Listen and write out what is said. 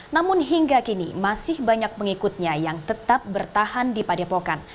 namun hingga kini masih banyak pengikutnya yang tetap bertahan di padepokan